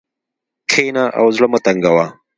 کښېنه او زړه مه تنګوه.